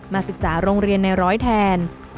ศึกษาโรงเรียนในร้อยแทน